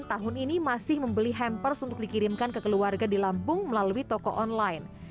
tahun ini masih membeli hampers untuk dikirimkan ke keluarga di lampung melalui toko online